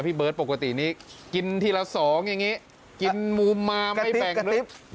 พี่เบิร์ตปกตินี้กินทีละ๒อย่างนี้กินหมูมามให้แปลง